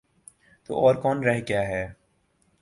تو اور کون رہ گیا ہے؟